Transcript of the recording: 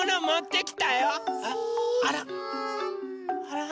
あら。